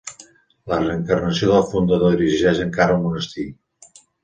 La reencarnació del fundador dirigeix encara el monestir.